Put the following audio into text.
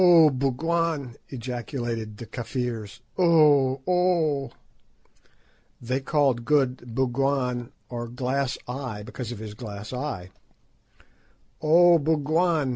"Ou, Bougwan," ejaculated the Kafirs; "ou! ou!" They called Good "Bougwan," or Glass Eye, because of his eye glass. "Oh, 'Bougwan!